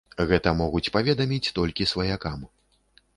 Гэта могуць паведаміць толькі сваякам.